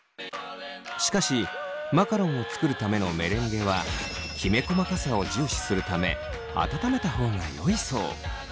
しかしマカロンを作るためのメレンゲはきめ細かさを重視するため温めた方がよいそう。